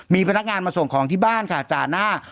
มีพนักงานมาส่งของที่บ้านค่ะจ่าหน้า